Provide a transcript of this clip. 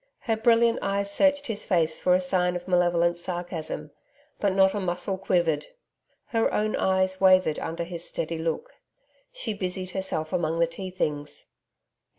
Her brilliant eyes searched his face for a sign of malevolent sarcasm, but not a muscle quivered. Her own eyes wavered under his steady look. She busied herself among the tea things.